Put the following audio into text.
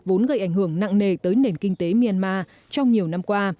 vốn gây ảnh hưởng nặng nề tới nền kinh tế myanmar trong nhiều năm qua